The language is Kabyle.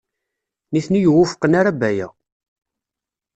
Nitni ur wufqen Baya.